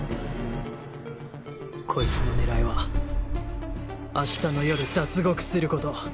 こいつの狙いは明日の夜脱獄する事！